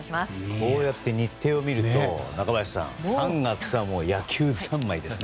こうやって日程を見ると３月は野球三昧ですね。